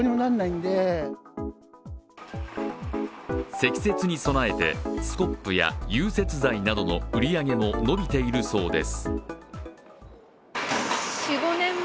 積雪に備えてスコップや融雪剤などの売り上げも伸びているそうです。